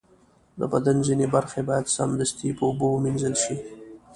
د بدن ځینې برخې باید سمدستي په اوبو ومینځل شي.